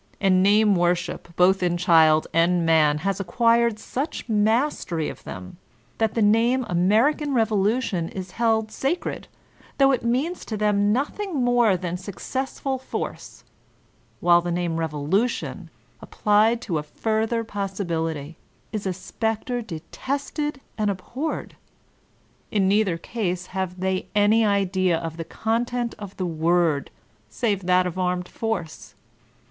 And name worship, both in child and man, has acquired such mastery of them, that the name "American Revo lution" is held sacred, though it means to them nothing more than successful force, while the name "Revolution" applied to a further possibility, is a spectre detested and abhorred. In neither case have they any idea of the con tent of the word, save that of armed force.